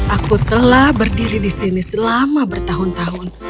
aku telah berdiri di sini selama bertahun tahun